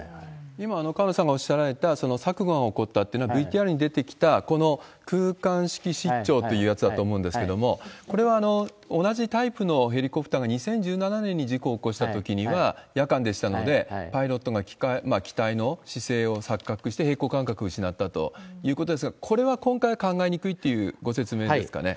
今、河野さんがおっしゃられた、錯誤が起こったというのは、ＶＴＲに出てきた、この空間識失調というやつだと思うんですけど、これは同じタイプのヘリコプターが２０１７年に事故を起こしたときには夜間でしたので、パイロットが機体の姿勢を錯覚して平衡感覚を失ったということですが、これは今回、考えにくいっていうご説明何ですかね？